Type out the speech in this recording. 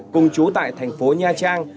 cùng chú tại thành phố nha trang